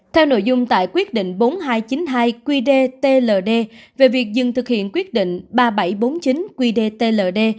theo nội dung tại quyết định bốn nghìn hai trăm chín mươi hai qd tld về việc dừng thực hiện quyết định ba nghìn bảy trăm bốn mươi chín qdtld